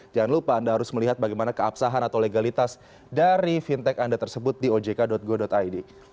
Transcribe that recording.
jangan lupa anda harus melihat bagaimana keabsahan atau legalitas dari fintech anda tersebut di ojk go id